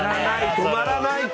止まらないか。